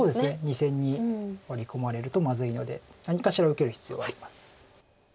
２線にワリ込まれるとまずいので何かしら受ける必要があります。